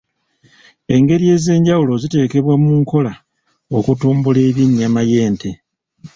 Engeri ez'enjawulo ziteekebwa mu nkola okutumbula eby'ennyama y'ente.